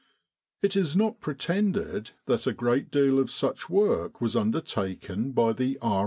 It is not pretended that a great deal of such work was undertaken by the R.